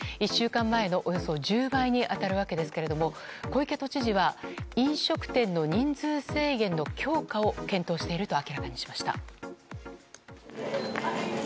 １週間前のおよそ１０倍に当たるわけですけども小池都知事は飲食店の人数制限の強化を検討していると明らかにしました。